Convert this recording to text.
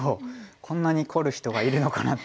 こんなに凝る人がいるのかなっていうぐらいの。